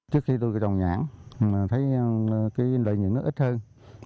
trước khi tôi trồng nhãn thấy cái lợi nhuận nó ít hơn